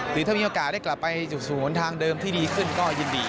หรือถ้ามีโอกาสได้กลับไปสู่ศูนย์ทางเดิมที่ดีขึ้นก็ยินดี